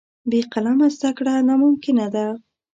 بې قلمه زده کړه ناممکنه ده.